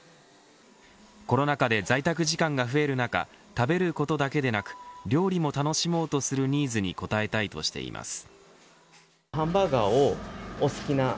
コロナ禍で在宅時間が増える中食べることだけでなく料理も楽しもうとするニーズに応えたいとしています。